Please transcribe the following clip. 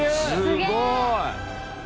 すごい！